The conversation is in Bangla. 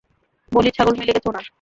বলির ছাগল মিলে গেছে উনার।